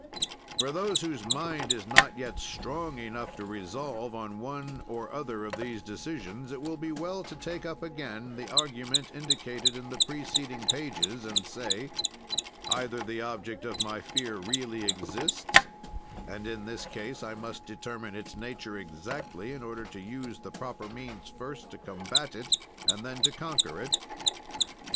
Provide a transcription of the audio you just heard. "For those whose mind is not yet strong enough to resolve on one or other of these decisions it will be well to take up again the argument indicated in the preceding pages, and to say: "Either the object of my fear really exists, and, in this case, I must determine its nature exactly, in order to use the proper means first to combat it and then to conquer it.